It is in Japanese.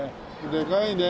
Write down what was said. でかいね。